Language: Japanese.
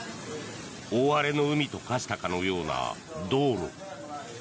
大荒れの海と化したかのような道路。